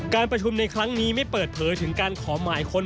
การประชุมในครั้งนี้ไม่เปิดเผยถึงการขอหมายค้น